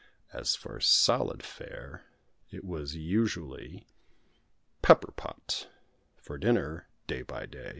As for solid fare it was usually Pepper pot for dinner, day by day.